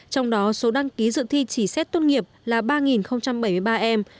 trong đó số đăng ký dự thi chỉ xét tốt nghiệp là ba bảy mươi ba em